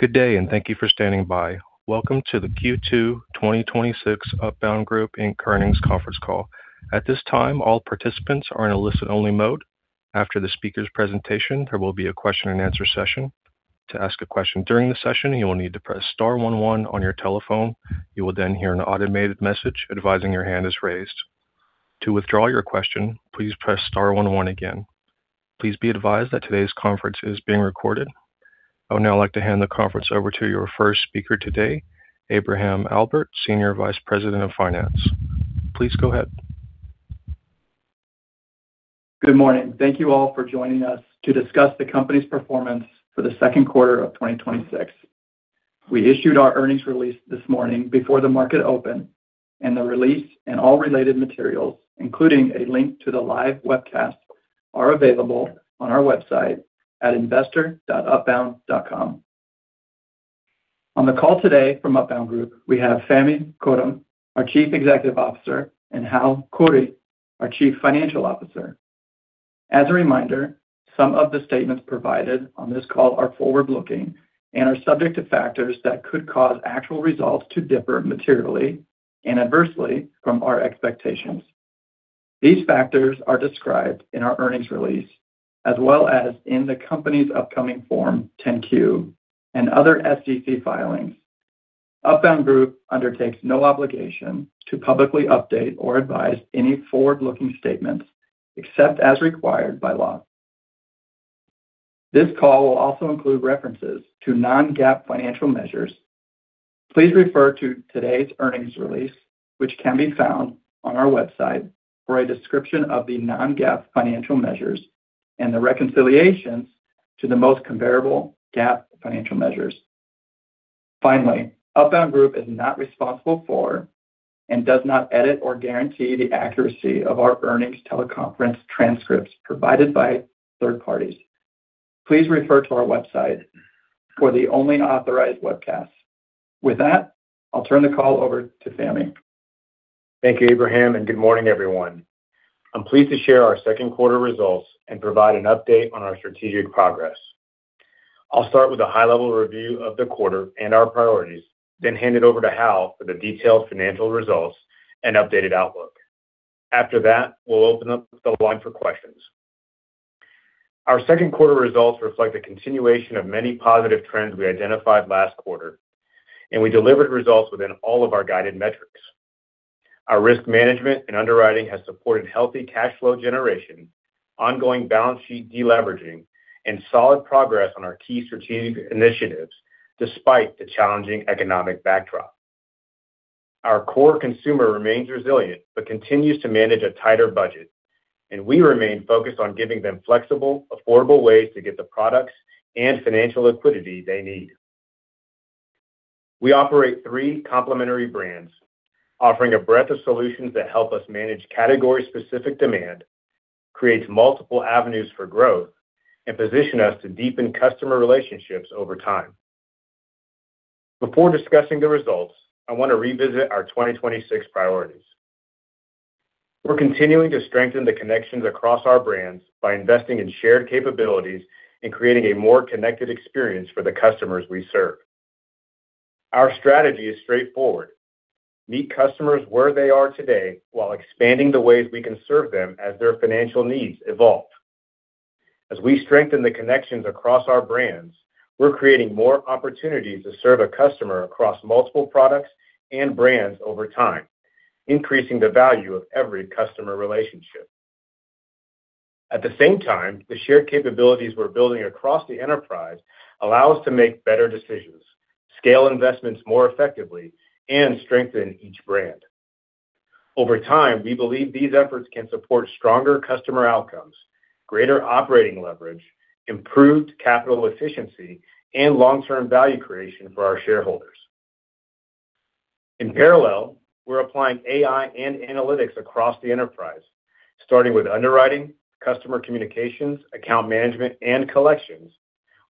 Good day, and thank you for standing by. Welcome to the Q2 2026 Upbound Group Inc. earnings conference call. At this time, all participants are in a listen-only mode. After the speaker's presentation, there will be a question-and-answer session. To ask a question during the session, you will need to press star one one on your telephone. You will then hear an automated message advising your hand is raised. To withdraw your question, please press star one one again. Please be advised that today's conference is being recorded. I would now like to hand the conference over to your first speaker today, Abraham Albert, Senior Vice President of Finance. Please go ahead. Good morning. Thank you all for joining us to discuss the company's performance for the second quarter of 2026. We issued our earnings release this morning before the market opened, and the release and all related materials, including a link to the live webcast, are available on our website at investor.upbound.com. On the call today from Upbound Group, we have Fahmi Karam, our Chief Executive Officer, and Hal Khouri, our Chief Financial Officer. As a reminder, some of the statements provided on this call are forward-looking and are subject to factors that could cause actual results to differ materially and adversely from our expectations. These factors are described in our earnings release, as well as in the company's upcoming Form 10-Q and other SEC filings. Upbound Group undertakes no obligation to publicly update or revise any forward-looking statements except as required by law. This call will also include references to non-GAAP financial measures. Please refer to today's earnings release, which can be found on our website, for a description of the non-GAAP financial measures and the reconciliations to the most comparable GAAP financial measures. Finally, Upbound Group is not responsible for and does not edit or guarantee the accuracy of our earnings teleconference transcripts provided by third parties. Please refer to our website for the only authorized webcast. With that, I'll turn the call over to Fahmi. Thank you, Abraham, and good morning, everyone. I'm pleased to share our second quarter results and provide an update on our strategic progress. I'll start with a high-level review of the quarter and our priorities, then hand it over to Hal for the detailed financial results and updated outlook. After that, we'll open up the line for questions. Our second quarter results reflect a continuation of many positive trends we identified last quarter, and we delivered results within all of our guided metrics. Our risk management and underwriting has supported healthy cash flow generation, ongoing balance sheet de-leveraging, and solid progress on our key strategic initiatives despite the challenging economic backdrop. Our core consumer remains resilient but continues to manage a tighter budget, and we remain focused on giving them flexible, affordable ways to get the products and financial liquidity they need. We operate three complementary brands, offering a breadth of solutions that help us manage category-specific demand, create multiple avenues for growth, and position us to deepen customer relationships over time. Before discussing the results, I want to revisit our 2026 priorities. We are continuing to strengthen the connections across our brands by investing in shared capabilities and creating a more connected experience for the customers we serve. Our strategy is straightforward: meet customers where they are today while expanding the ways we can serve them as their financial needs evolve. As we strengthen the connections across our brands, we are creating more opportunities to serve a customer across multiple products and brands over time, increasing the value of every customer relationship. At the same time, the shared capabilities we are building across the enterprise allow us to make better decisions, scale investments more effectively, and strengthen each brand. Over time, we believe these efforts can support stronger customer outcomes, greater operating leverage, improved capital efficiency, and long-term value creation for our shareholders. In parallel, we are applying AI and analytics across the enterprise, starting with underwriting, customer communications, account management, and collections,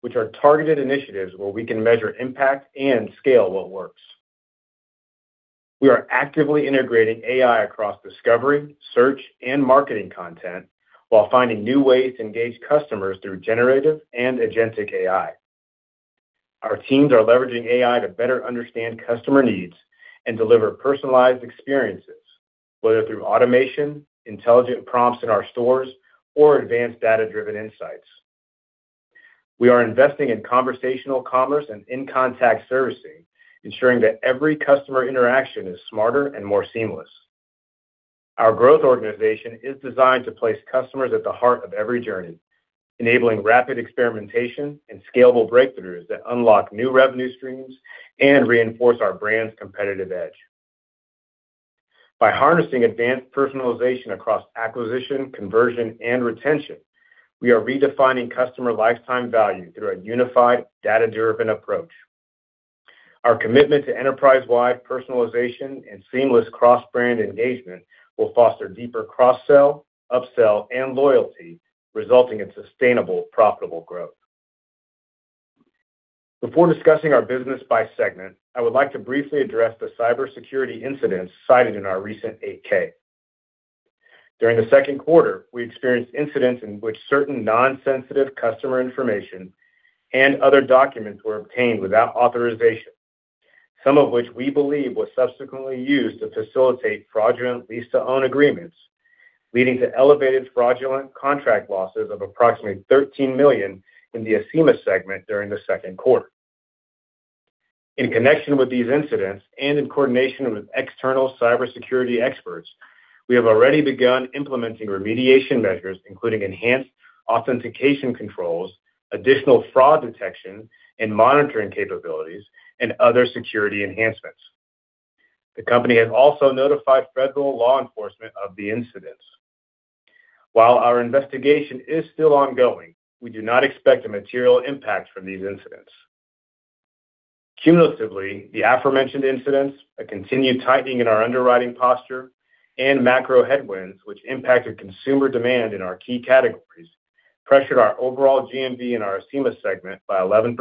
which are targeted initiatives where we can measure impact and scale what works. We are actively integrating AI across discovery, search, and marketing content while finding new ways to engage customers through generative and agentic AI. Our teams are leveraging AI to better understand customer needs and deliver personalized experiences, whether through automation, intelligent prompts in our stores, or advanced data-driven insights. We are investing in conversational commerce and in-contact servicing, ensuring that every customer interaction is smarter and more seamless. Our growth organization is designed to place customers at the heart of every journey, enabling rapid experimentation and scalable breakthroughs that unlock new revenue streams and reinforce our brand's competitive edge. By harnessing advanced personalization across acquisition, conversion, and retention, we are redefining customer lifetime value through a unified, data-driven approach. Our commitment to enterprise-wide personalization and seamless cross-brand engagement will foster deeper cross-sell, up-sell, and loyalty, resulting in sustainable, profitable growth. Before discussing our business by segment, I would like to briefly address the cybersecurity incident cited in our recent 8-K. During the second quarter, we experienced incidents in which certain non-sensitive customer information and other documents were obtained without authorization. Some of which we believe were subsequently used to facilitate fraudulent lease-to-own agreements, leading to elevated fraudulent contract losses of approximately $13 million in the Acima segment during the second quarter. In connection with these incidents, and in coordination with external cybersecurity experts, we have already begun implementing remediation measures, including enhanced authentication controls, additional fraud detection and monitoring capabilities, and other security enhancements. The company has also notified federal law enforcement of the incidents. While our investigation is still ongoing, we do not expect a material impact from these incidents. Cumulatively, the aforementioned incidents, a continued tightening in our underwriting posture, and macro headwinds which impacted consumer demand in our key categories, pressured our overall GMV in our Acima segment by 11%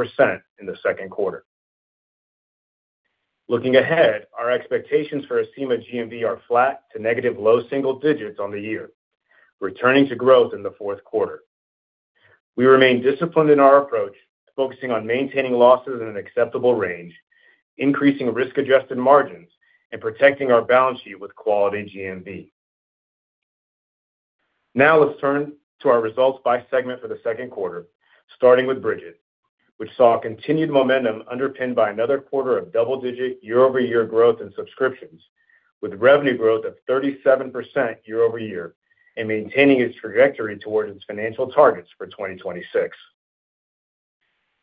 in the second quarter. Looking ahead, our expectations for Acima GMV are flat to negative low single digit on the year, returning to growth in the fourth quarter. We remain disciplined in our approach, focusing on maintaining losses in an acceptable range, increasing risk-adjusted margins, and protecting our balance sheet with quality GMV. Now let's turn to our results by segment for the second quarter, starting with Brigit, which saw continued momentum underpinned by another quarter of double-digit year-over-year growth in subscriptions, with revenue growth of 37% year-over-year, and maintaining its trajectory towards its financial targets for 2026.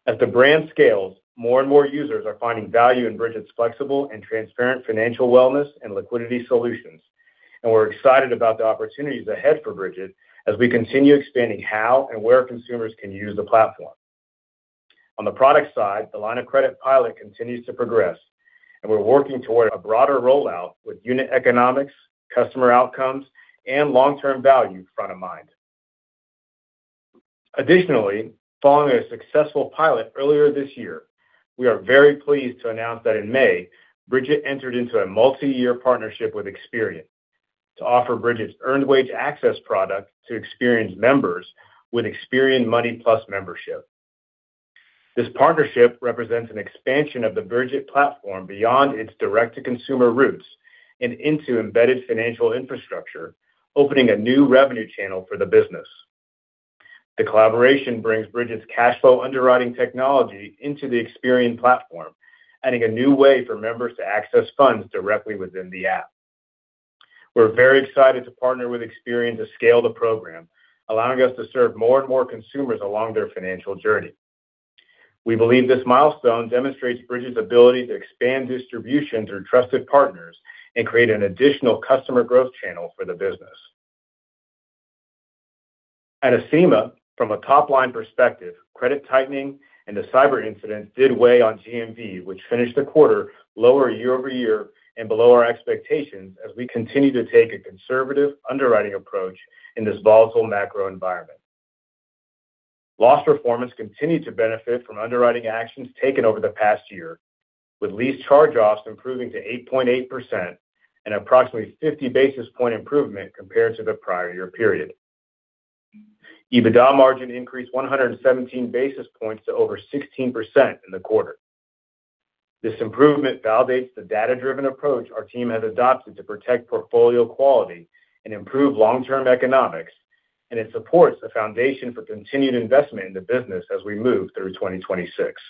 As the brand scales, more and more users are finding value in Brigit's flexible and transparent financial wellness and liquidity solutions. We're excited about the opportunities ahead for Brigit as we continue expanding how and where consumers can use the platform. On the product side, the line of credit pilot continues to progress, and we're working toward a broader rollout with unit economics, customer outcomes, and long-term value front of mind. Additionally, following a successful pilot earlier this year, we are very pleased to announce that in May, Brigit entered into a multi-year partnership with Experian to offer Brigit's earned wage access product to Experian's members with Experian Money Plus membership. This partnership represents an expansion of the Brigit platform beyond its direct-to-consumer roots and into embedded financial infrastructure, opening a new revenue channel for the business. The collaboration brings Brigit's cash flow underwriting technology into the Experian platform, adding a new way for members to access funds directly within the app. We're very excited to partner with Experian to scale the program, allowing us to serve more and more consumers along their financial journey. We believe this milestone demonstrates Brigit's ability to expand distribution through trusted partners and create an additional customer growth channel for the business. At Acima, from a top-line perspective, credit tightening and the cyber incident did weigh on GMV, which finished the quarter lower year-over-year and below our expectations as we continue to take a conservative underwriting approach in this volatile macro environment. Loss performance continued to benefit from underwriting actions taken over the past year, with lease charge-offs improving to 8.8% and approximately 50 basis point improvement compared to the prior year period. EBITDA margin increased 117 basis points to over 16% in the quarter. This improvement validates the data-driven approach our team has adopted to protect portfolio quality and improve long-term economics, and it supports the foundation for continued investment in the business as we move through 2026.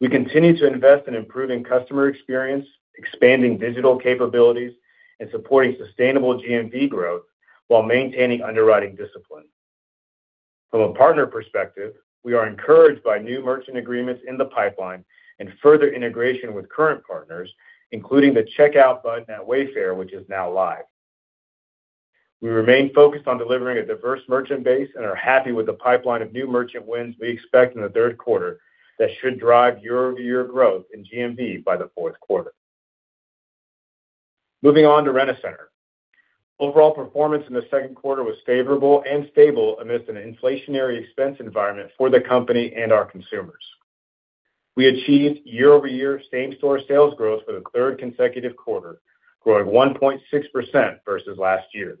We continue to invest in improving customer experience, expanding digital capabilities, and supporting sustainable GMV growth while maintaining underwriting discipline. From a partner perspective, we are encouraged by new merchant agreements in the pipeline and further integration with current partners, including the Checkout button at Wayfair, which is now live. We remain focused on delivering a diverse merchant base and are happy with the pipeline of new merchant wins we expect in the third quarter that should drive year-over-year growth in GMV by the fourth quarter. Moving on to Rent-A-Center. Overall performance in the second quarter was favorable and stable amidst an inflationary expense environment for the company and our consumers. We achieved year-over-year same-store sales growth for the third consecutive quarter, growing 1.6% versus last year.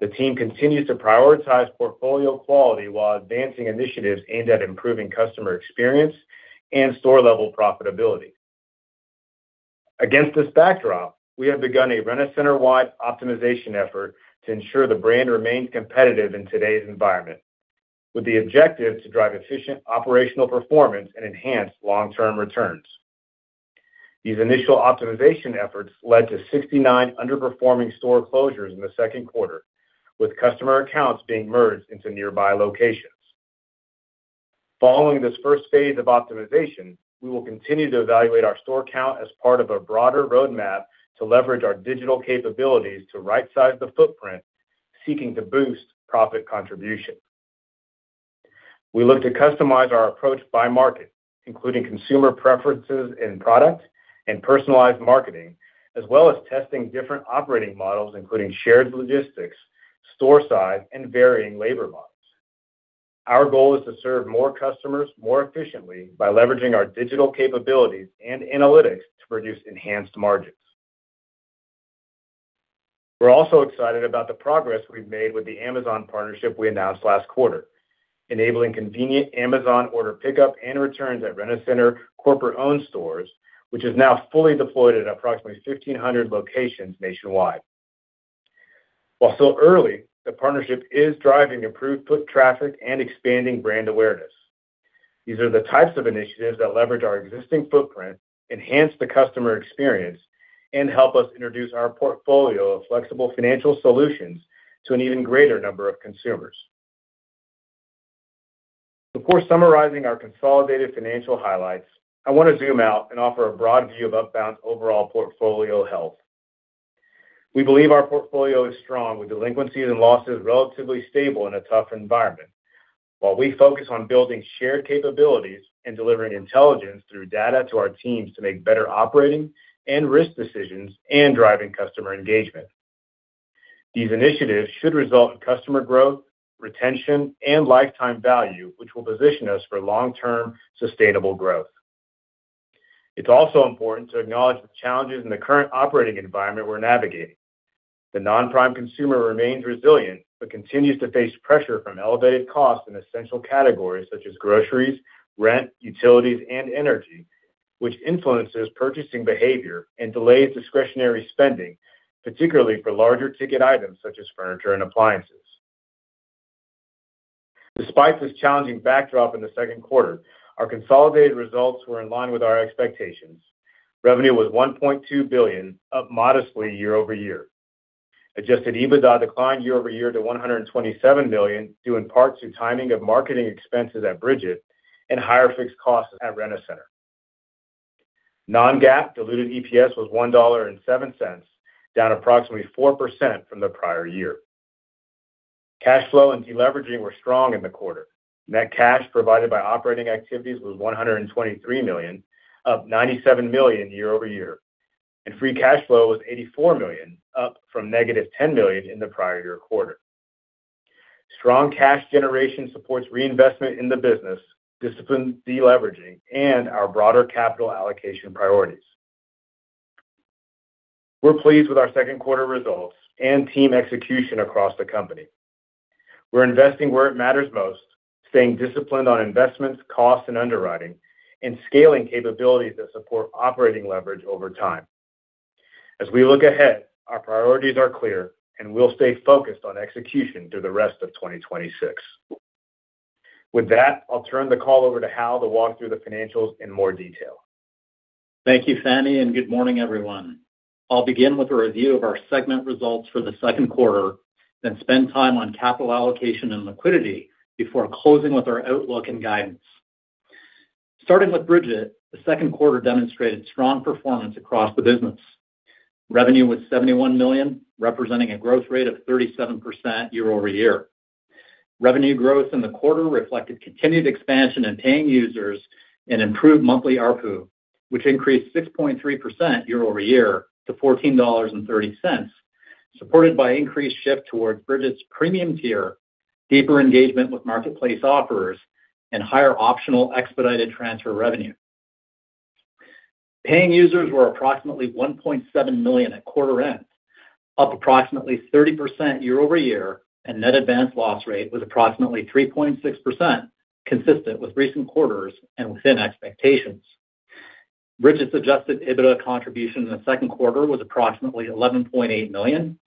The team continues to prioritize portfolio quality while advancing initiatives aimed at improving customer experience and store-level profitability. Against this backdrop, we have begun a Rent-A-Center-wide optimization effort to ensure the brand remains competitive in today's environment, with the objective to drive efficient operational performance and enhance long-term returns. These initial optimization efforts led to 69 underperforming store closures in the second quarter, with customer accounts being merged into nearby locations. Following this first phase of optimization, we will continue to evaluate our store count as part of a broader roadmap to leverage our digital capabilities to rightsize the footprint, seeking to boost profit contribution. We look to customize our approach by market, including consumer preferences in product and personalized marketing, as well as testing different operating models, including shared logistics, store size, and varying labor models. Our goal is to serve more customers more efficiently by leveraging our digital capabilities and analytics to produce enhanced margins. We're also excited about the progress we've made with the Amazon partnership we announced last quarter, enabling convenient Amazon order pickup and returns at Rent-A-Center corporate-owned stores, which is now fully deployed at approximately 1,500 locations nationwide. While still early, the partnership is driving improved foot traffic and expanding brand awareness. These are the types of initiatives that leverage our existing footprint, enhance the customer experience, and help us introduce our portfolio of flexible financial solutions to an even greater number of consumers. Before summarizing our consolidated financial highlights, I want to zoom out and offer a broad view of Upbound's overall portfolio health. We believe our portfolio is strong, with delinquencies and losses relatively stable in a tough environment. While we focus on building shared capabilities and delivering intelligence through data to our teams to make better operating and risk decisions and driving customer engagement. These initiatives should result in customer growth, retention, and lifetime value, which will position us for long-term sustainable growth. It's also important to acknowledge the challenges in the current operating environment we're navigating. The non-prime consumer remains resilient, but continues to face pressure from elevated costs in essential categories such as groceries, rent, utilities, and energy, which influences purchasing behavior and delays discretionary spending, particularly for larger ticket items such as furniture and appliances. Despite this challenging backdrop in the second quarter, our consolidated results were in line with our expectations. Revenue was $1.2 billion, up modestly year-over-year. Adjusted EBITDA declined year-over-year to $127 million, due in part to timing of marketing expenses at Brigit and higher fixed costs at Rent-A-Center. Non-GAAP diluted EPS was $1.7, down approximately 4% from the prior year. Cash flow and deleveraging were strong in the quarter. Net cash provided by operating activities was $123 million, up $97 million year-over-year. Free cash flow was $84 million, up from -$10 million in the prior year quarter. Strong cash generation supports reinvestment in the business, disciplined deleveraging, and our broader capital allocation priorities. We're pleased with our second quarter results and team execution across the company. We're investing where it matters most, staying disciplined on investments, costs, and underwriting, and scaling capabilities that support operating leverage over time. As we look ahead, our priorities are clear, and we'll stay focused on execution through the rest of 2026. With that, I'll turn the call over to Hal to walk through the financials in more detail. Thank you, Fahmi, and good morning, everyone. I'll begin with a review of our segment results for the second quarter, then spend time on capital allocation and liquidity before closing with our outlook and guidance. Starting with Brigit, the second quarter demonstrated strong performance across the business. Revenue was $71 million, representing a growth rate of 37% year-over-year. Revenue growth in the quarter reflected continued expansion in paying users and improved monthly ARPU, which increased 6.3% year-over-year to $14.30, supported by increased shift towards Brigit's premium tier, deeper engagement with marketplace offers, and higher optional expedited transfer revenue. Paying users were approximately 1.7 million at quarter end, up approximately 30% year-over-year, and net advance loss rate was approximately 3.6%, consistent with recent quarters and within expectations. Brigit's adjusted EBITDA contribution in the second quarter was approximately $11.8 million.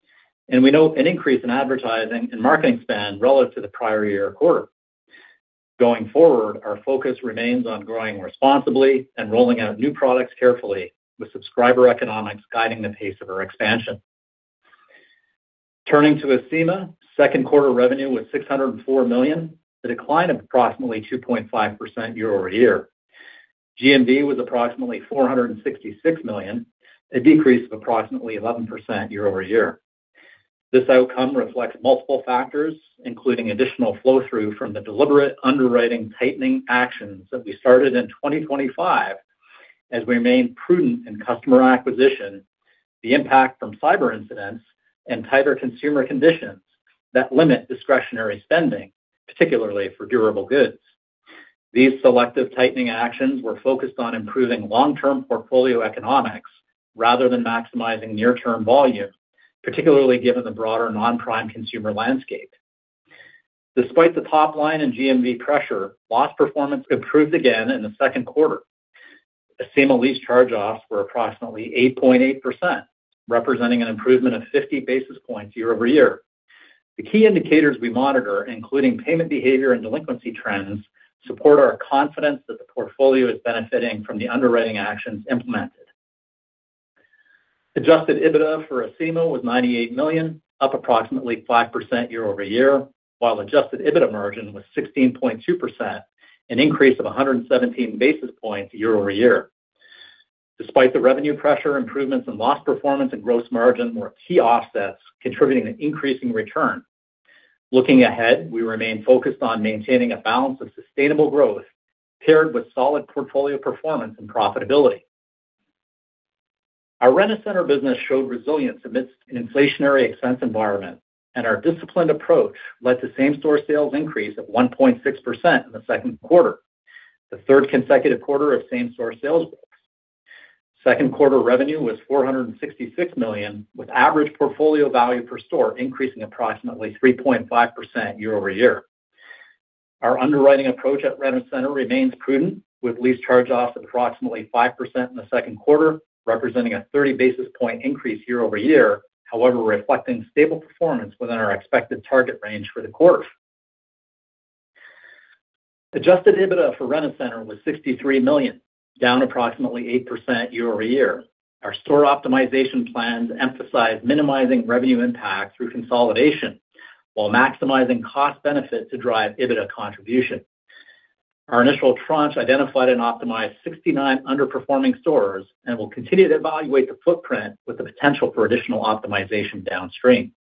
We note an increase in advertising and marketing spend relative to the prior year quarter. Going forward, our focus remains on growing responsibly and rolling out new products carefully with subscriber economics guiding the pace of our expansion. Turning to Acima. Second quarter revenue was $604 million, a decline of approximately 2.5% year-over-year. GMV was approximately $466 million, a decrease of approximately 11% year-over-year. This outcome reflects multiple factors, including additional flow-through from the deliberate underwriting tightening actions that we started in 2025 as we remain prudent in customer acquisition, the impact from cyber incidents, and tighter consumer conditions that limit discretionary spending, particularly for durable goods. These selective tightening actions were focused on improving long-term portfolio economics rather than maximizing near-term volume, particularly given the broader non-prime consumer landscape. Despite the top line and GMV pressure, loss performance improved again in the second quarter. Acima lease charge-offs were approximately 8.8%, representing an improvement of 50 basis points year-over-year. The key indicators we monitor, including payment behavior and delinquency trends, support our confidence that the portfolio is benefiting from the underwriting actions implemented. Adjusted EBITDA for Acima was $98 million, up approximately 5% year-over-year, while adjusted EBITDA margin was 16.2%, an increase of 117 basis points year-over-year. Despite the revenue pressure, improvements in loss performance and gross margin were key offsets contributing to increasing return. Looking ahead, we remain focused on maintaining a balance of sustainable growth paired with solid portfolio performance and profitability. Our Rent-A-Center business showed resilience amidst an inflationary expense environment. Our disciplined approach led to same-store sales increase of 1.6% in the second quarter, the third consecutive quarter of same-store sales growth. Second quarter revenue was $466 million, with average portfolio value per store increasing approximately 3.5% year-over-year. Our underwriting approach at Rent-A-Center remains prudent, with lease charge-offs approximately 5% in the second quarter, representing a 30 basis point increase year-over-year. However, reflecting stable performance within our expected target range for the quarter. Adjusted EBITDA for Rent-A-Center was $63 million, down approximately 8% year-over-year. Our store optimization plans emphasize minimizing revenue impact through consolidation, while maximizing cost benefit to drive EBITDA contribution. Our initial tranche identified and optimized 69 underperforming stores and will continue to evaluate the footprint with the potential for additional optimization downstream.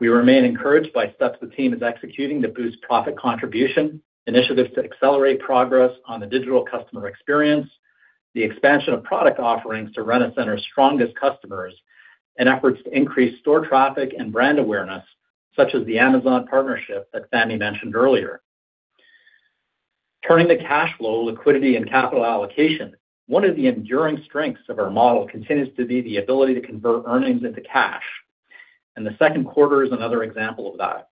We remain encouraged by steps the team is executing to boost profit contribution, initiatives to accelerate progress on the digital customer experience, the expansion of product offerings to Rent-A-Center's strongest customers, and efforts to increase store traffic and brand awareness, such as the Amazon partnership that Fahmi mentioned earlier. Turning to cash flow, liquidity, and capital allocation, one of the enduring strengths of our model continues to be the ability to convert earnings into cash, and the second quarter is another example of that.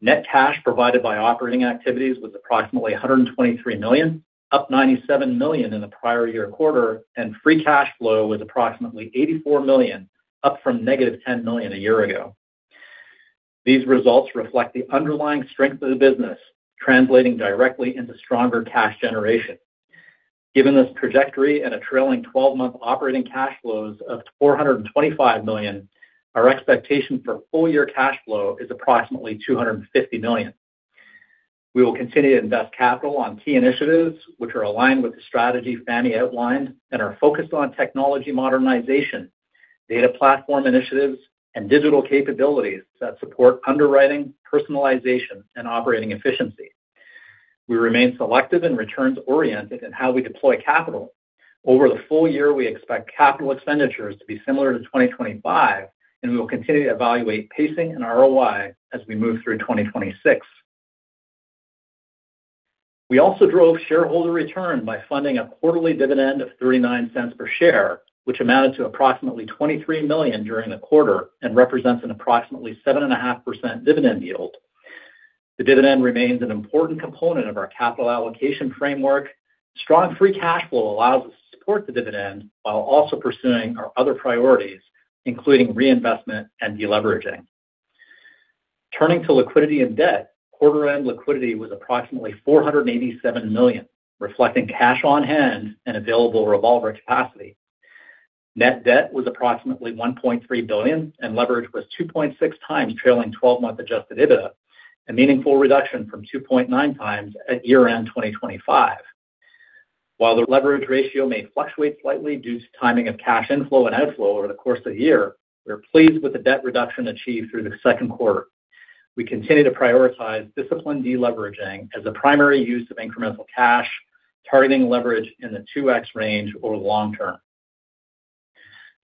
Net cash provided by operating activities was approximately $123 million, up $97 million in the prior year quarter, and free cash flow was approximately $84 million, up from negative $10 million a year ago. These results reflect the underlying strength of the business, translating directly into stronger cash generation. Given this trajectory and a trailing 12-month operating cash flows of $425 million, our expectation for full- year cash flow is approximately $250 million. We will continue to invest capital on key initiatives which are aligned with the strategy Fahmi outlined and are focused on technology modernization, data platform initiatives, and digital capabilities that support underwriting, personalization, and operating efficiency. We remain selective and returns-oriented in how we deploy capital. Over the full- year, we expect capital expenditures to be similar to 2025, and we will continue to evaluate pacing and ROI as we move through 2026. We also drove shareholder return by funding a quarterly dividend of $0.39 per share, which amounted to approximately $23 million during the quarter and represents an approximately 7.5% dividend yield. The dividend remains an important component of our capital allocation framework. Strong free cash flow allows us to support the dividend while also pursuing our other priorities, including reinvestment and deleveraging. Turning to liquidity and debt, quarter end liquidity was approximately $487 million, reflecting cash on hand and available revolver capacity. Net debt was approximately $1.3 billion, and leverage was 2.6x trailing 12-month adjusted EBITDA, a meaningful reduction from 2.9x at year-end 2025. While the leverage ratio may fluctuate slightly due to timing of cash inflow and outflow over the course of the year, we are pleased with the debt reduction achieved through the second quarter. We continue to prioritize disciplined deleveraging as a primary use of incremental cash, targeting leverage in the 2x range over long -term.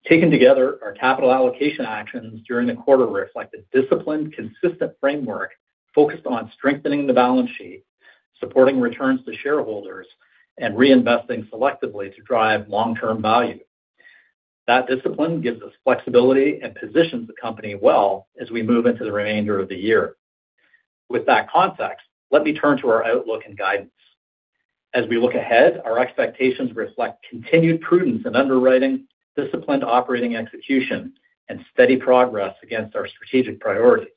Taken together, our capital allocation actions during the quarter reflect a disciplined, consistent framework focused on strengthening the balance sheet, supporting returns to shareholders, and reinvesting selectively to drive long-term value. That discipline gives us flexibility and positions the company well as we move into the remainder of the year. With that context, let me turn to our outlook and guidance. As we look ahead, our expectations reflect continued prudence in underwriting, disciplined operating execution, and steady progress against our strategic priorities.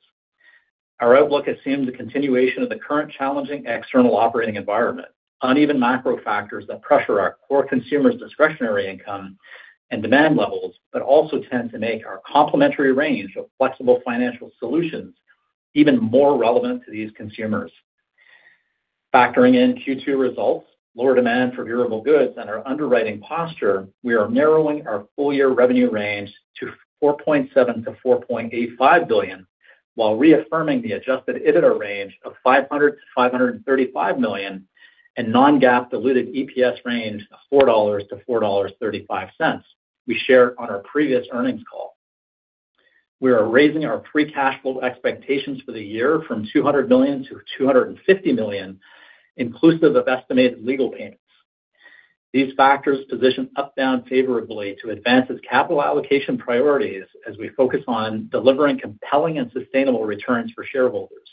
Our outlook assumes a continuation of the current challenging external operating environment, uneven macro factors that pressure our core consumers' discretionary income and demand levels, but also tend to make our complementary range of flexible financial solutions even more relevant to these consumers. Factoring in Q2 results, lower demand for durable goods, and our underwriting posture, we are narrowing our full- year revenue range to $4.7 billion-$4.85 billion, while reaffirming the adjusted EBITDA range of $500 million-$535 million and non-GAAP diluted EPS range of $4-$4.35 we shared on our previous earnings call. We are raising our free cash flow expectations for the year from $200 million to $250 million, inclusive of estimated legal payments. These factors position Upbound favorably to advance its capital allocation priorities as we focus on delivering compelling and sustainable returns for shareholders.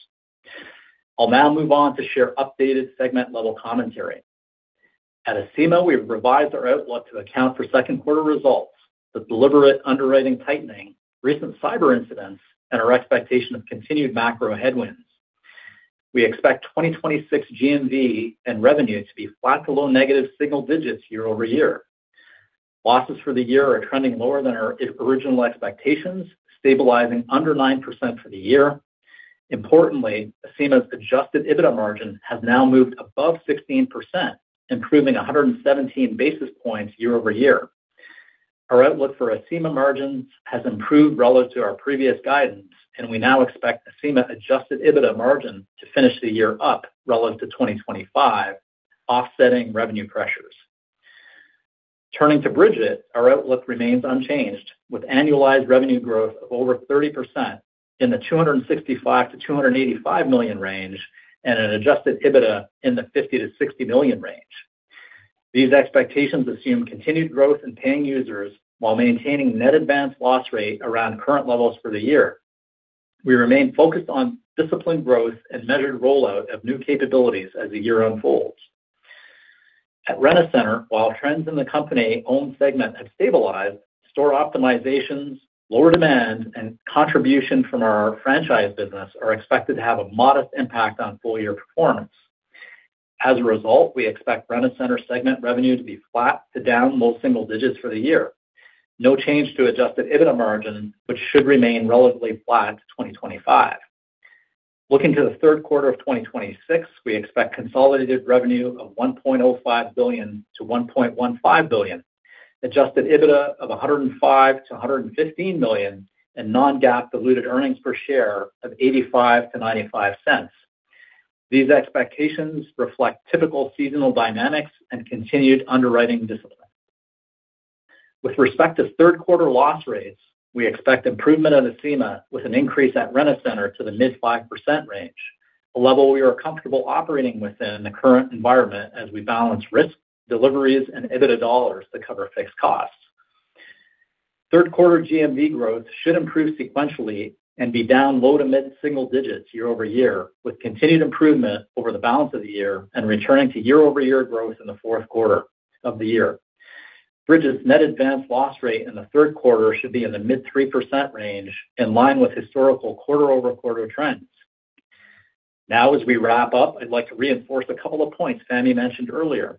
I'll now move on to share updated segment-level commentary. At Acima, we revised our outlook to account for second quarter results with deliberate underwriting tightening, recent cyber incidents, and our expectation of continued macro headwinds. We expect 2026 GMV and revenue to be flat to low negative single digits year-over-year. Losses for the year are trending lower than our original expectations, stabilizing under 9% for the year. Importantly, Acima's adjusted EBITDA margin has now moved above 16%, improving 117 basis points year-over-year. Our outlook for Acima margins has improved relative to our previous guidance, and we now expect Acima adjusted EBITDA margin to finish the year up relative to 2025. Offsetting revenue pressures. Turning to Brigit, our outlook remains unchanged, with annualized revenue growth of over 30% in the $265 million to $285 million range and an adjusted EBITDA in the $50 million to $60 million range. These expectations assume continued growth in paying users while maintaining net advance loss rate around current levels for the year. We remain focused on disciplined growth and measured rollout of new capabilities as the year unfolds. At Rent-A-Center, while trends in the company-owned segment have stabilized, store optimizations, lower demand, and contribution from our franchise business are expected to have a modest impact on full-year performance. As a result, we expect Rent-A-Center segment revenue to be flat to down low single digits for the year. No change to adjusted EBITDA margin, which should remain relatively flat to 2025. Looking to the third quarter of 2026, we expect consolidated revenue of $1.05 billion to $1.15 billion, adjusted EBITDA of $105 million to $115 million, and non-GAAP diluted earnings per share of $0.85 to $0.95. These expectations reflect typical seasonal dynamics and continued underwriting discipline. With respect to third quarter loss rates, we expect improvement on the Acima with an increase at Rent-A-Center to the mid 5% range, a level we are comfortable operating within in the current environment as we balance risk, deliveries, and EBITDA dollars to cover fixed costs. Third quarter GMV growth should improve sequentially and be down low to mid-single digits year-over-year, with continued improvement over the balance of the year and returning to year-over-year growth in the fourth quarter of the year. Brigit's net advance loss rate in the third quarter should be in the mid 3% range, in line with historical quarter-over-quarter trends. As we wrap up, I'd like to reinforce a couple of points Fahmi mentioned earlier.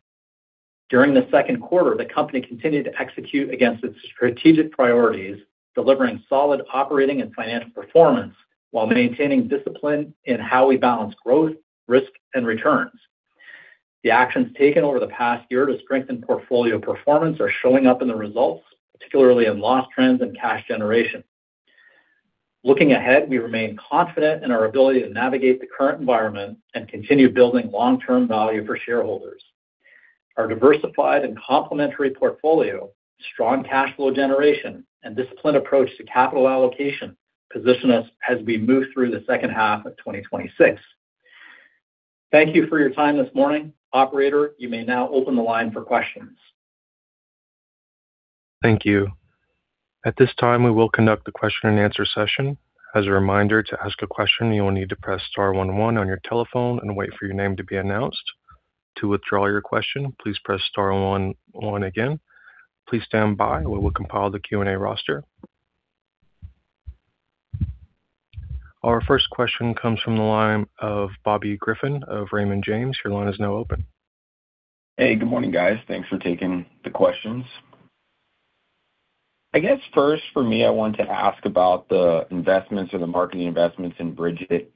During the second quarter, the company continued to execute against its strategic priorities, delivering solid operating and financial performance while maintaining discipline in how we balance growth, risk, and returns. The actions taken over the past year to strengthen portfolio performance are showing up in the results, particularly in loss trends and cash generation. Looking ahead, we remain confident in our ability to navigate the current environment and continue building long-term value for shareholders. Our diversified and complementary portfolio, strong cash flow generation, and disciplined approach to capital allocation position us as we move through the second half of 2026. Thank you for your time this morning. Operator, you may now open the line for questions. Thank you. At this time, we will conduct the question and answer session. As a reminder, to ask a question, you will need to press star one one on your telephone and wait for your name to be announced. To withdraw your question, please press star one one again. Please stand by. We will compile the Q&A roster. Our first question comes from the line of Bobby Griffin of Raymond James. Your line is now open. Hey, good morning, guys. Thanks for taking the questions. I guess first for me, I wanted to ask about the investments or the marketing investments in Brigit.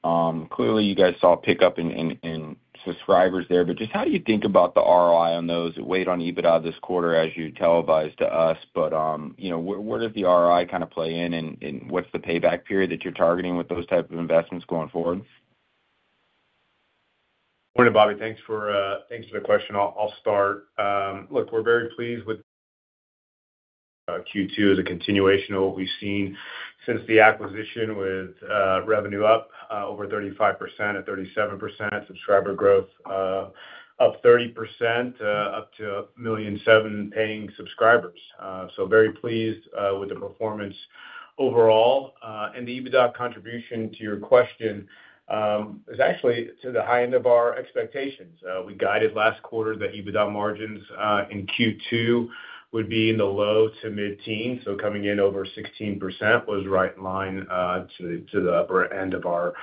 Clearly, you guys saw a pickup in subscribers there. Just how do you think about the ROI on those? It weighed on EBITDA this quarter, as you telegraphed to us. Where did the ROI kind of play in, and what's the payback period that you're targeting with those type of investments going forward? Morning, Bobby. Thanks for the question. I'll start. Look, we're very pleased with Q2 as a continuation of what we've seen since the acquisition with revenue up over 35% at 37% subscriber growth, up 30%, up to 1.7 million paying subscribers. Very pleased with the performance overall. The EBITDA contribution to your question is actually to the high end of our expectations. We guided last quarter that EBITDA margins in Q2 would be in the low to mid-teens. Coming in over 16% was right in line to the upper end of our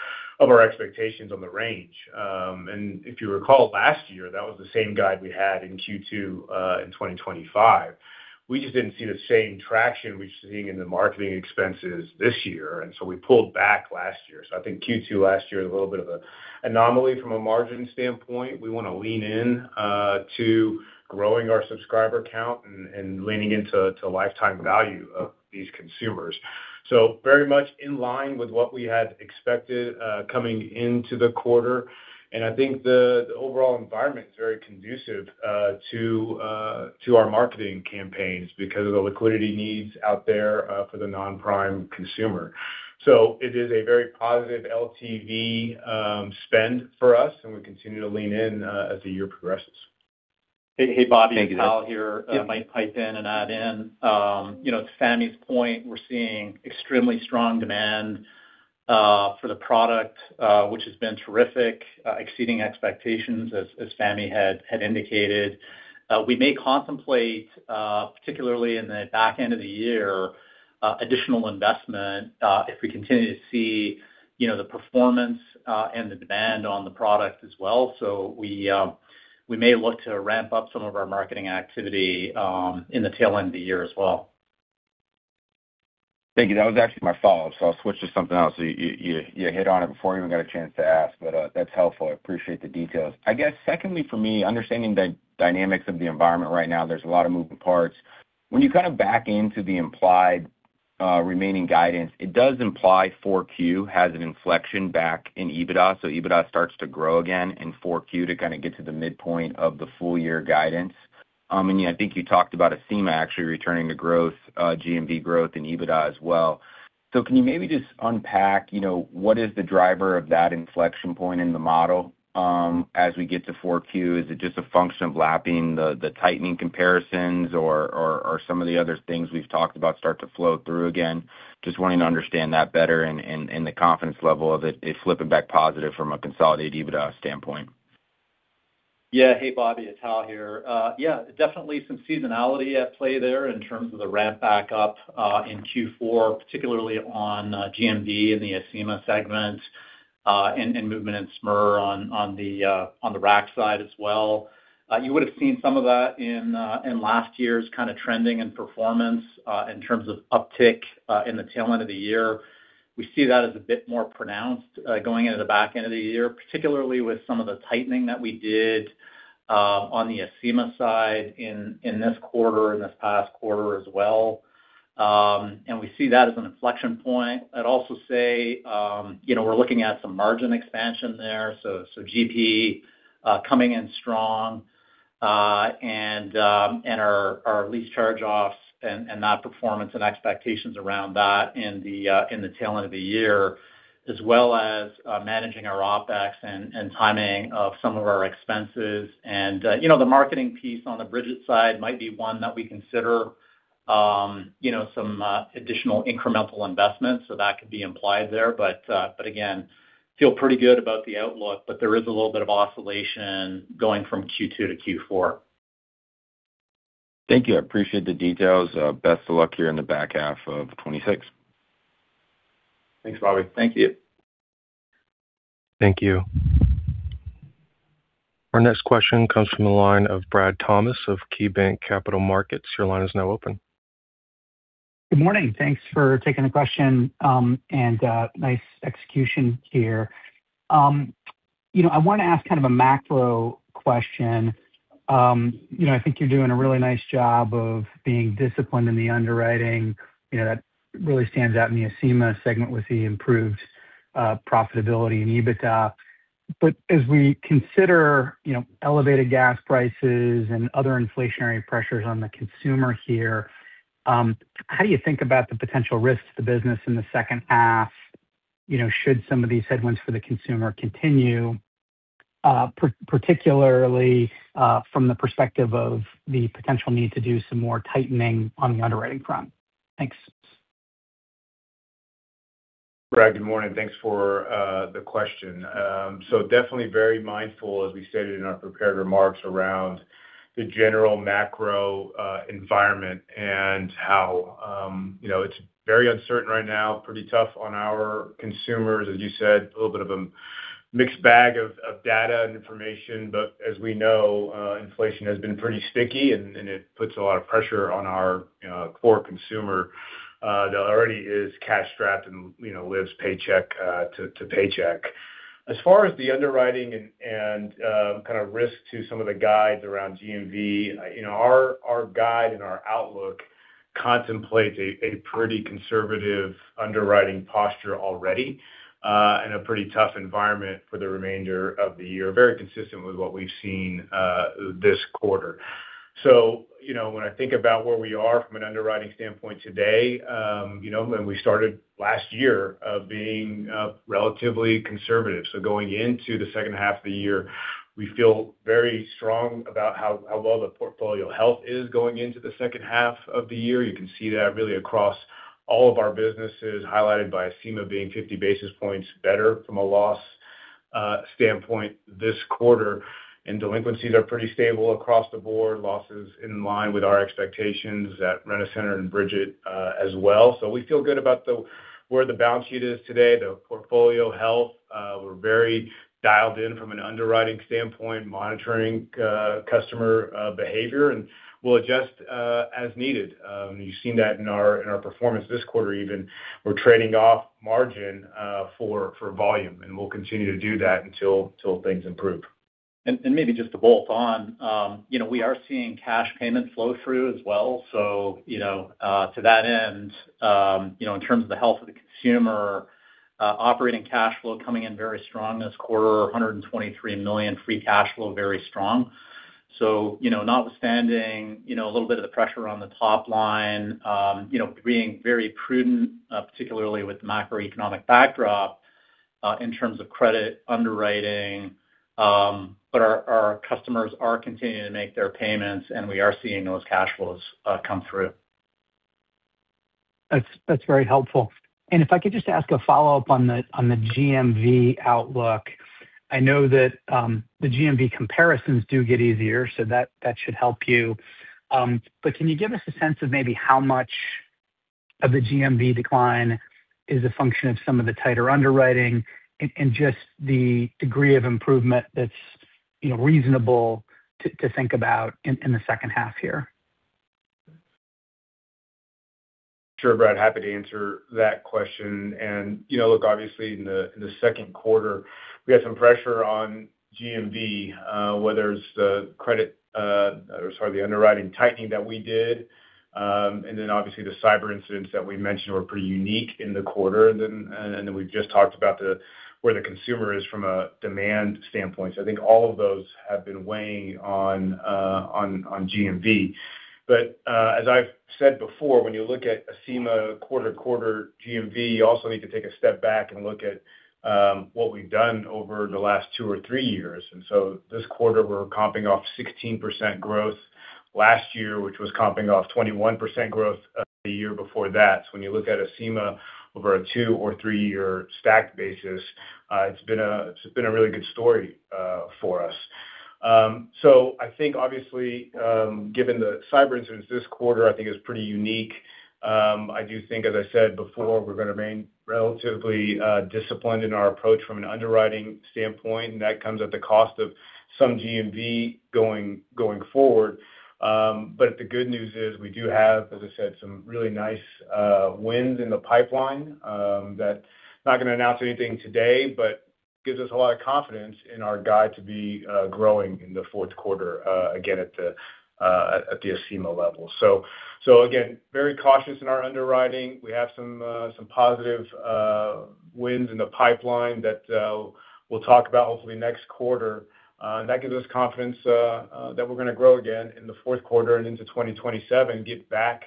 expectations on the range. If you recall last year, that was the same guide we had in Q2 in 2025. We just didn't see the same traction we're seeing in the marketing expenses this year, we pulled back last year. I think Q2 last year is a little bit of an anomaly from a margin standpoint. We want to lean in to growing our subscriber count and leaning into lifetime value of these consumers. Very much in line with what we had expected coming into the quarter. I think the overall environment is very conducive to our marketing campaigns because of the liquidity needs out there for the non-prime consumer. It is a very positive LTV spend for us, and we continue to lean in as the year progresses. Thank you. I might pipe in and add in to Fahmi's point, we're seeing extremely strong demand for the product, which has been terrific, exceeding expectations as Fahmi had indicated. We may contemplate, particularly in the back end of the year, additional investment if we continue to see the performance and the demand on the product as well. We may look to ramp up some of our marketing activity in the tail end of the year as well. Thank you. That was actually my follow-up, I'll switch to something else. You hit on it before I even got a chance to ask, but that's helpful. I appreciate the details. Secondly for me, understanding the dynamics of the environment right now, there's a lot of moving parts. When you kind of back into the implied Remaining guidance. It does imply 4Q has an inflection back in EBITDA, so EBITDA starts to grow again in 4Q to kind of get to the midpoint of the full-year guidance. I think you talked about Acima actually returning to growth, GMV growth and EBITDA as well. Can you maybe just unpack what is the driver of that inflection point in the model as we get to 4Q? Is it just a function of lapping the tightening comparisons or some of the other things we've talked about start to flow through again? Just wanting to understand that better and the confidence level of it flipping back positive from a consolidated EBITDA standpoint. Yeah. Hey, Bobby, it's Hal here. Yeah, definitely some seasonality at play there in terms of the ramp back up in Q4, particularly on GMV in the Acima segment, and movement in SMRE on the RAC side as well. You would've seen some of that in last year's kind of trending and performance in terms of uptick in the tail end of the year. We see that as a bit more pronounced going into the back end of the year, particularly with some of the tightening that we did on the Acima side in this quarter and this past quarter as well. We see that as an inflection point. I'd also say we're looking at some margin expansion there, GP coming in strong, and our lease charge-offs and that performance and expectations around that in the tail end of the year, as well as managing our OPEX and timing of some of our expenses. The marketing piece on the Brigit side might be one that we consider some additional incremental investments. That could be implied there. Again, feel pretty good about the outlook, but there is a little bit of oscillation going from Q2 to Q4. Thank you. I appreciate the details. Best of luck here in the back half of 2026. Thanks, Bobby. Thank you. Thank you. Our next question comes from the line of Brad Thomas of KeyBanc Capital Markets. Your line is now open. Good morning. Thanks for taking the question, and nice execution here. I want to ask kind of a macro question. I think you're doing a really nice job of being disciplined in the underwriting. That really stands out in the Acima segment with the improved profitability and EBITDA. As we consider elevated gas prices and other inflationary pressures on the consumer here, how do you think about the potential risks to the business in the second half should some of these headwinds for the consumer continue, particularly from the perspective of the potential need to do some more tightening on the underwriting front? Thanks. Brad, good morning. Thanks for the question. Definitely very mindful, as we stated in our prepared remarks, around the general macro environment and how it's very uncertain right now, pretty tough on our consumers, as you said. A little bit of a mixed bag of data and information, as we know, inflation has been pretty sticky and it puts a lot of pressure on our core consumer that already is cash-strapped and lives paycheck to paycheck. As far as the underwriting and kind of risk to some of the guides around GMV, our guide and our outlook contemplate a pretty conservative underwriting posture already, a pretty tough environment for the remainder of the year, very consistent with what we've seen this quarter. When I think about where we are from an underwriting standpoint today, and we started last year of being relatively conservative. Going into the second half of the year, we feel very strong about how well the portfolio health is going into the second half of the year. You can see that really across all of our businesses, highlighted by Acima being 50 basis points better from a loss standpoint this quarter. Delinquencies are pretty stable across the board, losses in line with our expectations at Rent-A-Center and Brigit as well. We feel good about where the balance sheet is today, the portfolio health. We're very dialed in from an underwriting standpoint, monitoring customer behavior, and we'll adjust as needed. You've seen that in our performance this quarter even. We're trading off margin for volume, and we'll continue to do that until things improve. Maybe just to bolt on. We are seeing cash payments flow through as well. To that end, in terms of the health of the consumer, operating cash flow coming in very strong this quarter, $123 million. Free cash flow, very strong. Notwithstanding a little bit of the pressure on the top line, being very prudent, particularly with the macroeconomic backdrop in terms of credit underwriting. Our customers are continuing to make their payments, and we are seeing those cash flows come through. That's very helpful. If I could just ask a follow-up on the GMV outlook. I know that the GMV comparisons do get easier, so that should help you. Can you give us a sense of maybe how much of the GMV decline is a function of some of the tighter underwriting and just the degree of improvement that's reasonable to think about in the second half here? Sure, Brad, happy to answer that question. Look, obviously, in the second quarter, we had some pressure on GMV, whether it's the underwriting tightening that we did. Obviously the cyber incidents that we mentioned were pretty unique in the quarter. We've just talked about where the consumer is from a demand standpoint. I think all of those have been weighing on GMV. As I've said before, when you look at Acima quarter-to-quarter GMV, you also need to take a step back and look at what we've done over the last two or three years. This quarter we're comping off 16% growth last year, which was comping off 21% growth the year before that. When you look at Acima over a two or three-year stacked basis, it's been a really good story for us. I think obviously, given the cyber incidents this quarter, I think is pretty unique. I do think, as I said before, we're going to remain relatively disciplined in our approach from an underwriting standpoint, and that comes at the cost of some GMV going forward. The good news is we do have, as I said, some really nice wins in the pipeline. Not going to announce anything today, but gives us a lot of confidence in our guide to be growing in the fourth quarter again at the Acima level. Again, very cautious in our underwriting. We have some positive wins in the pipeline that we'll talk about hopefully next quarter. That gives us confidence that we're going to grow again in the fourth quarter and into 2027, get back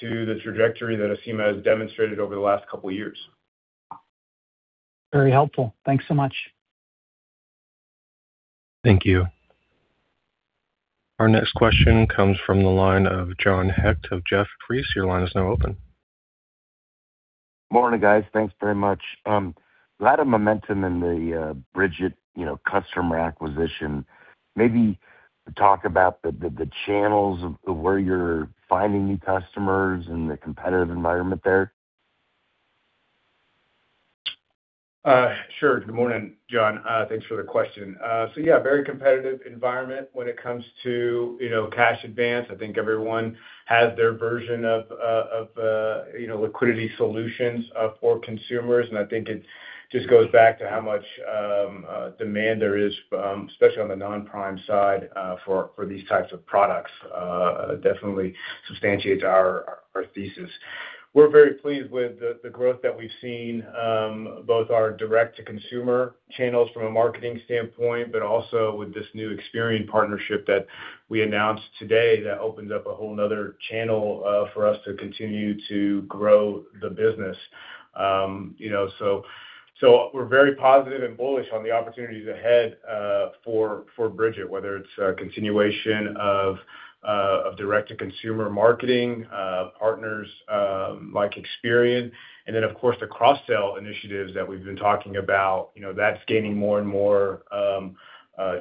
to the trajectory that Acima has demonstrated over the last couple of years. Very helpful. Thanks so much. Thank you. Our next question comes from the line of John Hecht of Jefferies. Your line is now open. Morning, guys. Thanks very much. A lot of momentum in the Brigit customer acquisition. Maybe talk about the channels of where you're finding new customers and the competitive environment there. Sure. Good morning, John. Thanks for the question. Yeah, very competitive environment when it comes to cash advance. I think everyone has their version of liquidity solutions for consumers. I think it just goes back to how much demand there is, especially on the non-prime side for these types of products. Definitely substantiates our thesis. We're very pleased with the growth that we've seen both our direct-to-consumer channels from a marketing standpoint, but also with this new Experian partnership that we announced today. That opens up a whole another channel for us to continue to grow the business. We're very positive and bullish on the opportunities ahead for Brigit, whether it's a continuation of direct-to-consumer marketing partners like Experian. Then of course, the cross-sell initiatives that we've been talking about, that's gaining more and more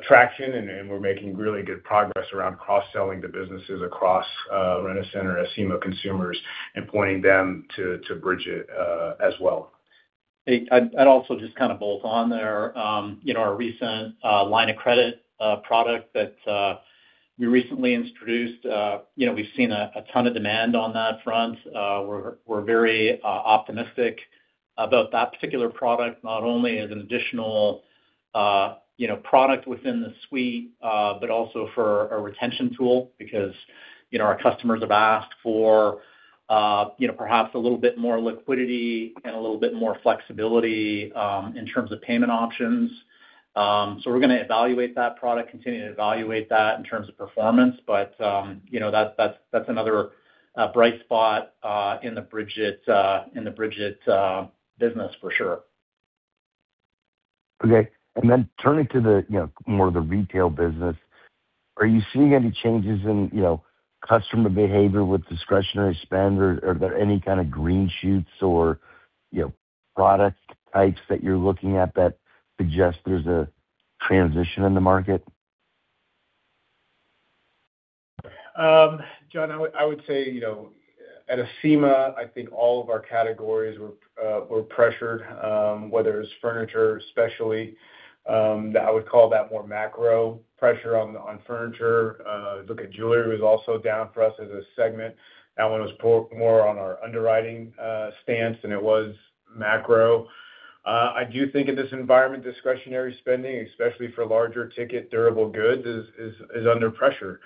traction, and we're making really good progress around cross-selling to businesses across Rent-A-Center and Acima consumers and pointing them to Brigit as well. I'd also just bolt on there. Our recent line of credit product that we recently introduced. We've seen a ton of demand on that front. We're very optimistic about that particular product, not only as an additional product within the suite, but also for a retention tool because our customers have asked for perhaps a little bit more liquidity and a little bit more flexibility in terms of payment options. We're going to evaluate that product, continue to evaluate that in terms of performance. That's another bright spot in the Brigit business for sure. Okay. Then turning to more of the retail business, are you seeing any changes in customer behavior with discretionary spend, or are there any kind of green shoots or product types that you're looking at that suggest there's a transition in the market? John, I would say at Acima, I think all of our categories were pressured, whether it's furniture especially. I would call that more macro pressure on furniture. Look at jewelry was also down for us as a segment. That one was more on our underwriting stance than it was macro. I do think in this environment, discretionary spending, especially for larger ticket durable goods, is under pressure.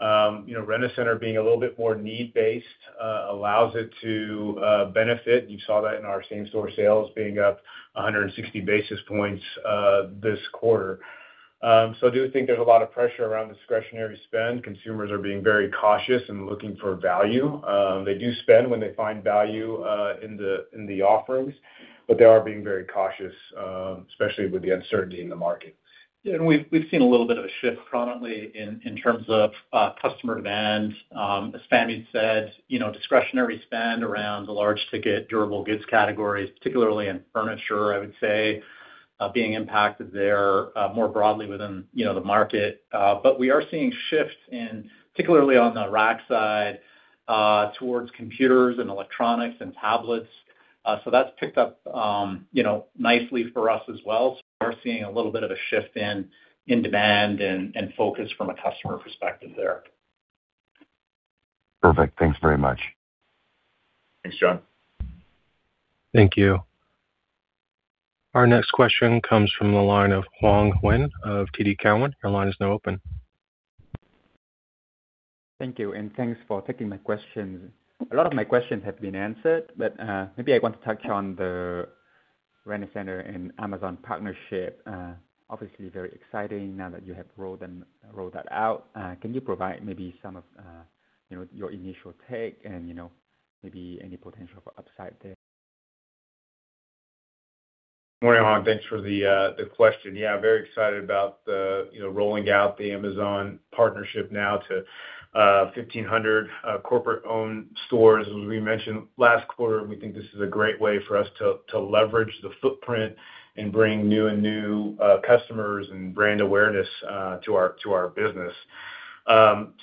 Rent-A-Center being a little bit more need-based allows it to benefit. You saw that in our same-store sales being up 160 basis points this quarter. I do think there's a lot of pressure around discretionary spend. Consumers are being very cautious and looking for value. They do spend when they find value in the offerings, but they are being very cautious, especially with the uncertainty in the market. Yeah. We've seen a little bit of a shift, chronically, in terms of customer demand. As Fahmi said, discretionary spend around the large ticket durable goods categories, particularly in furniture, I would say, being impacted there more broadly within the market. We are seeing shifts in, particularly on the RAC side, towards computers and electronics and tablets. That's picked up nicely for us as well. We're seeing a little bit of a shift in demand and focus from a customer perspective there. Perfect. Thanks very much. Thanks, John. Thank you. Our next question comes from the line of Hoang Nguyen of TD Cowen. Your line is now open. Thank you. Thanks for taking my questions. A lot of my questions have been answered, but maybe I want to touch on the Rent-A-Center and Amazon partnership. Obviously very exciting now that you have rolled that out. Can you provide maybe some of your initial take and maybe any potential for upside there? Morning, Hoang. Thanks for the question. Very excited about rolling out the Amazon partnership now to 1,500 corporate-owned stores. As we mentioned last quarter, we think this is a great way for us to leverage the footprint and bring new customers and brand awareness to our business. The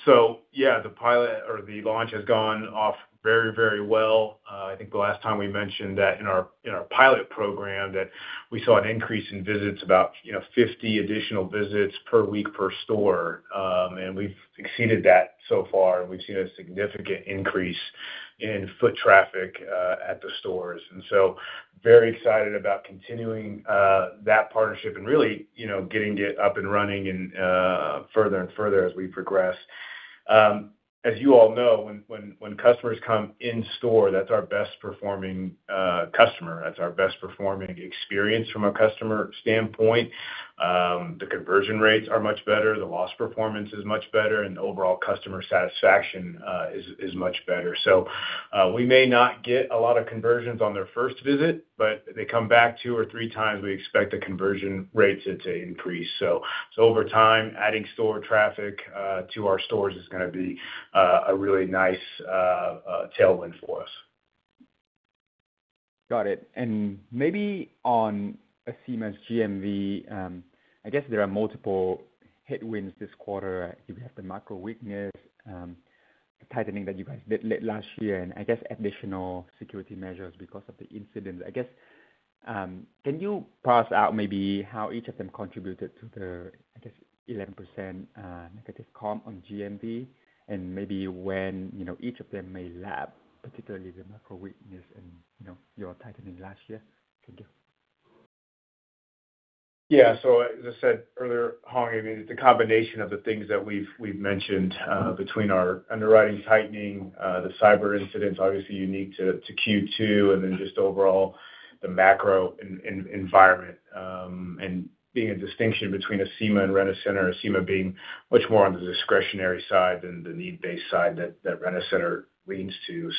launch has gone off very well. I think the last time we mentioned that in our pilot program, that we saw an increase in visits about 50 additional visits per week per store. We've exceeded that so far. We've seen a significant increase in foot traffic at the stores. Very excited about continuing that partnership and really getting it up and running further and further as we progress. As you all know, when customers come in store, that's our best performing customer. That's our best performing experience from a customer standpoint. The conversion rates are much better, the loss performance is much better, and overall customer satisfaction is much better. We may not get a lot of conversions on their first visit, but they come back two or three times, we expect the conversion rates to increase. Over time, adding store traffic to our stores is going to be a really nice tailwind for us. Got it. Maybe on Acima's GMV, I guess there are multiple headwinds this quarter. You have the macro weakness, tightening that you guys did late last year, and I guess additional security measures because of the incident. I guess, can you parse out maybe how each of them contributed to the, I guess, 11% negative comp on GMV? And maybe when each of them may lap, particularly the macro weakness and your tightening last year? Thank you. Yeah. As I said earlier, Hoang, it's a combination of the things that we've mentioned between our underwriting tightening, the cyber incidents obviously unique to Q2, and then just overall the macro environment, and being a distinction between Acima and Rent-A-Center, Acima being much more on the discretionary side than the need-based side that Rent-A-Center leans to.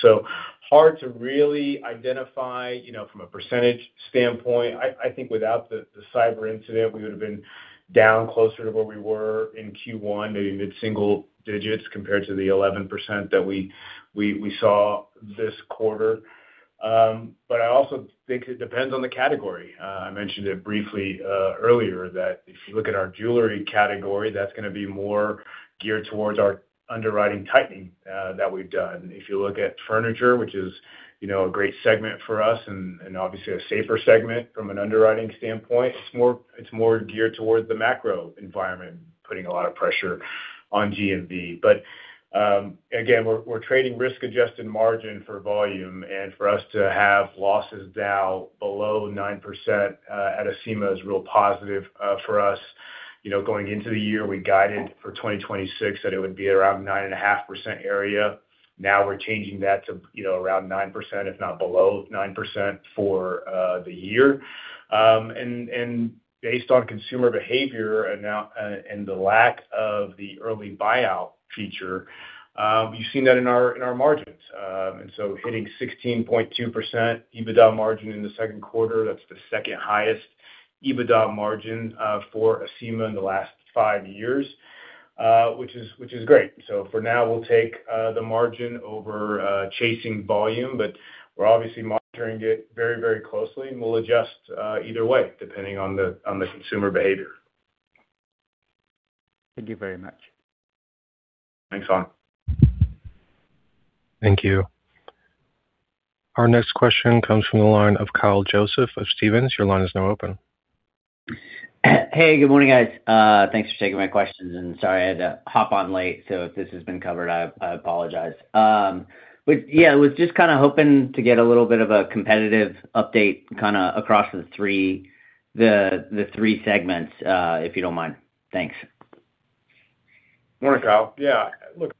Hard to really identify from a percentage standpoint. I think without the cyber incident, we would've been down closer to where we were in Q1, maybe mid-single digits compared to the 11% that we saw this quarter. I also think it depends on the category. I mentioned it briefly earlier that if you look at our jewelry category, that's going to be more geared towards our underwriting tightening that we've done. If you look at furniture, which is a great segment for us and obviously a safer segment from an underwriting standpoint, it's more geared towards the macro environment putting a lot of pressure on GMV. Again, we're trading risk-adjusted margin for volume, and for us to have losses down below 9% at Acima is real positive for us. Going into the year, we guided for 2026 that it would be around 9.5% area. Now we're changing that to around 9%, if not below 9%, for the year. Based on consumer behavior and the lack of the early buyout feature, you've seen that in our margins. Hitting 16.2% EBITDA margin in the second quarter, that's the second highest EBITDA margin for Acima in the last five years, which is great. For now, we'll take the margin over chasing volume, but we're obviously monitoring it very closely, and we'll adjust either way depending on the consumer behavior. Thank you very much. Thanks, Hoang. Thank you. Our next question comes from the line of Kyle Joseph of Stephens. Your line is now open. Good morning, guys. Thanks for taking my questions, and sorry I had to hop on late, so if this has been covered, I apologize. I was just kind of hoping to get a little bit of a competitive update across the three segments, if you don't mind. Thanks. Morning, Kyle. Look,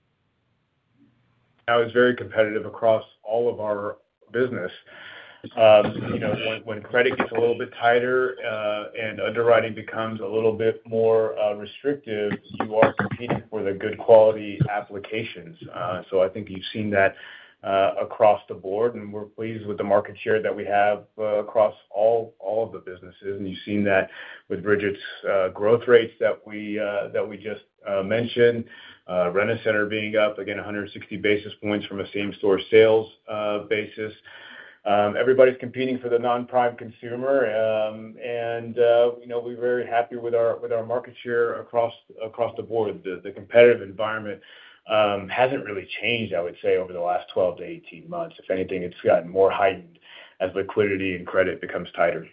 I was very competitive across all of our business. When credit gets a little bit tighter and underwriting becomes a little bit more restrictive, you are competing for the good quality applications. I think you've seen that across the board, and we're pleased with the market share that we have across all of the businesses. You've seen that with Brigit's growth rates that we just mentioned. Rent-A-Center being up, again, 160 basis points from a same-store sales basis. Everybody's competing for the non-prime consumer. We're very happy with our market share across the board. The competitive environment hasn't really changed, I would say, over the last 12 to 18 months. If anything, it's gotten more heightened as liquidity and credit becomes tighter.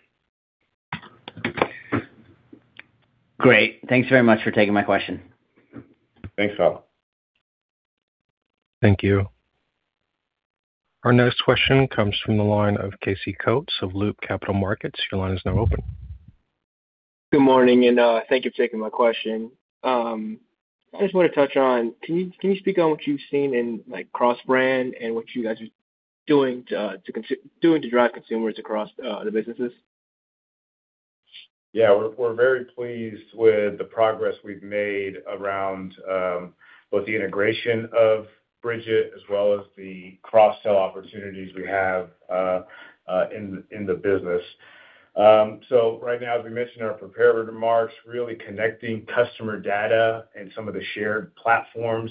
Great. Thanks very much for taking my question. Thanks, Kyle. Thank you. Our next question comes from the line of Casey Coates of Loop Capital Markets. Your line is now open. Good morning, and thank you for taking my question. I just want to touch on, can you speak on what you've seen in cross-brand and what you guys are doing to drive consumers across the businesses? We're very pleased with the progress we've made around both the integration of Brigit as well as the cross-sell opportunities we have in the business. Right now, as we mentioned in our prepared remarks, really connecting customer data and some of the shared platforms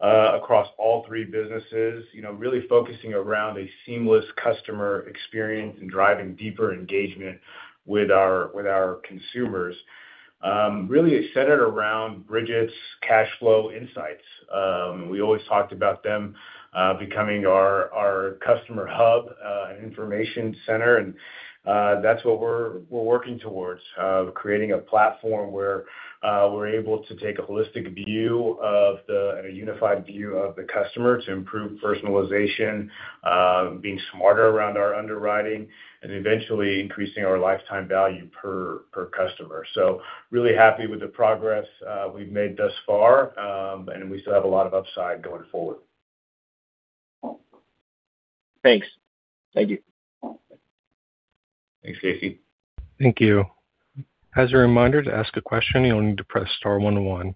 across all three businesses. Really focusing around a seamless customer experience and driving deeper engagement with our consumers. Really it's centered around Brigit's cash flow insights. We always talked about them becoming our customer hub information center, and that's what we're working towards. Creating a platform where we're able to take a holistic and a unified view of the customer to improve personalization, being smarter around our underwriting, and eventually increasing our lifetime value per customer. Really happy with the progress we've made thus far, and we still have a lot of upside going forward. Thanks. Thank you. Thanks, Casey. Thank you. As a reminder, to ask a question, you'll need to press star one to one.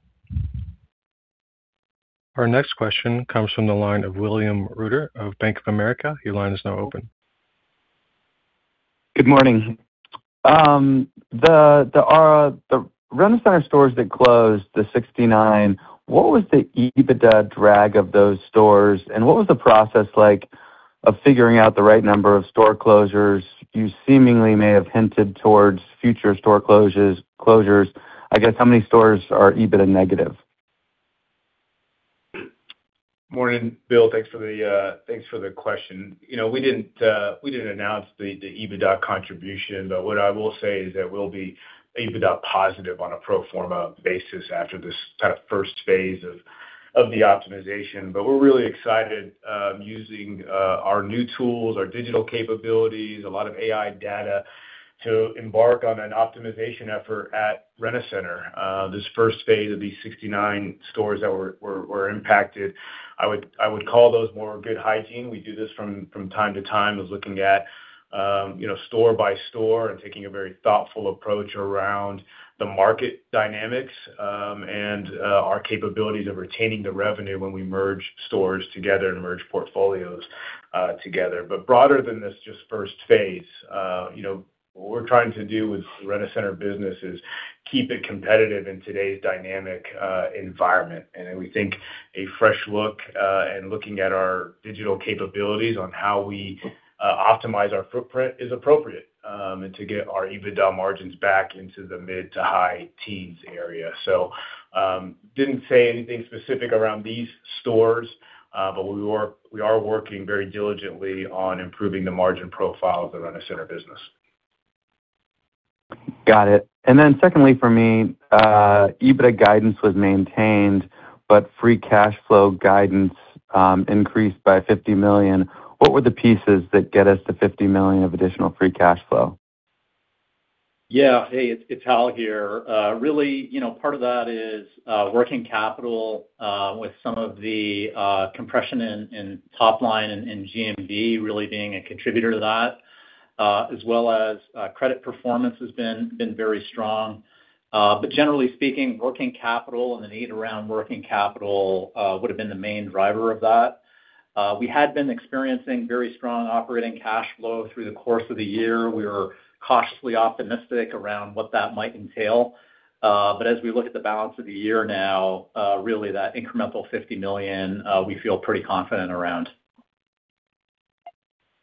Our next question comes from the line of William Reuter of Bank of America. Your line is now open. Good morning. The Rent-A-Center stores that closed, the 69, what was the EBITDA drag of those stores, and what was the process like of figuring out the right number of store closures? You seemingly may have hinted towards future store closures. I guess, how many stores are EBITDA negative? Morning, Bill. Thanks for the question. We didn't announce the EBITDA contribution. What I will say is that we'll be EBITDA positive on a pro forma basis after this kind of first phase of the optimization. We're really excited using our new tools, our digital capabilities, a lot of AI data, to embark on an optimization effort at Rent-A-Center. This first phase of these 69 stores that were impacted, I would call those more good hygiene. We do this from time to time, is looking at store by store and taking a very thoughtful approach around the market dynamics, and our capabilities of retaining the revenue when we merge stores together and merge portfolios together. Broader than this just first phase, what we're trying to do with Rent-A-Center business is keep it competitive in today's dynamic environment. We think a fresh look, and looking at our digital capabilities on how we optimize our footprint is appropriate, and to get our EBITDA margins back into the mid to high teens area. Didn't say anything specific around these stores. We are working very diligently on improving the margin profile of the Rent-A-Center business. Got it. Secondly for me, EBITDA guidance was maintained, free cash flow guidance increased by $50 million. What were the pieces that get us to $50 million of additional free cash flow? Hey, it's Hal here. Part of that is working capital with some of the compression in top line and GMV really being a contributor to that, as well as credit performance has been very strong. Generally speaking, working capital and the need around working capital would've been the main driver of that. We had been experiencing very strong operating cash flow through the course of the year. We were cautiously optimistic around what that might entail. As we look at the balance of the year now, really that incremental $50 million, we feel pretty confident around.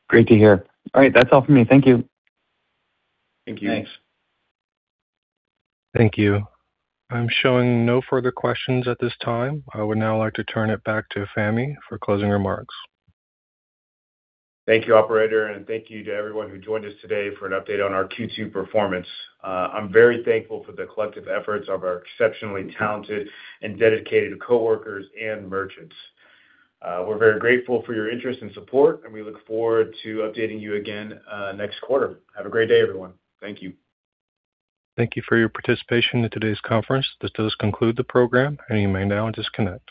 Great to hear. All right. That's all from me. Thank you. Thank you. Thanks. Thank you. I'm showing no further questions at this time. I would now like to turn it back to Fahmi for closing remarks. Thank you, operator, and thank you to everyone who joined us today for an update on our Q2 performance. I'm very thankful for the collective efforts of our exceptionally talented and dedicated coworkers and merchants. We're very grateful for your interest and support, and we look forward to updating you again next quarter. Have a great day, everyone. Thank you. Thank you for your participation in today's conference. This does conclude the program, and you may now disconnect.